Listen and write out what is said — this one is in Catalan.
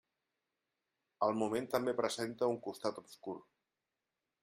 El moment també presenta un costat obscur.